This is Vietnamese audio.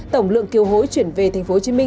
tổng lượng kiều hối chuyển về tp hcm